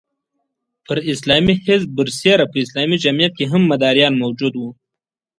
پر اسلامي حزب برسېره په اسلامي جمعیت کې هم مداریان موجود وو.